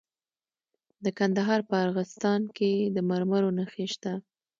د کندهار په ارغستان کې د مرمرو نښې شته.